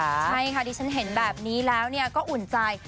ใช่ค่ะดิฉันเห็นแบบนี้แล้วก็อุ่นใจ